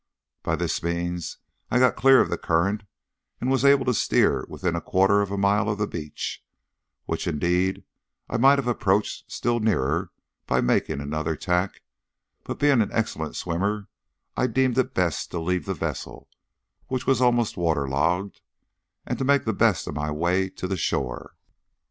"By this means I got clear of the current and was able to steer within a quarter of a mile of the beach, which indeed I might have approached still nearer by making another tack, but being an excellent swimmer, I deemed it best to leave the vessel, which was almost waterlogged, and to make the best of my way to the shore.